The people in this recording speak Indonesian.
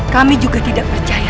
kami juga tidak percaya